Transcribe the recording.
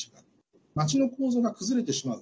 まちの構造が崩れてしまう。